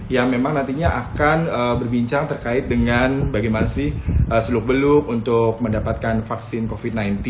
yang memang nantinya akan berbincang terkait dengan bagaimana sih seluk beluk untuk mendapatkan vaksin covid sembilan belas